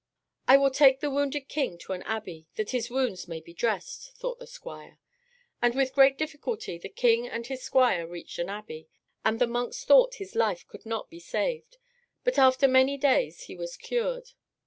"I will take the wounded King to an abbey, that his wounds may be dressed," thought the squire. And with great difficulty the King and his squire reached an abbey. And the monks thought his life could not be saved, but after many days he was cured.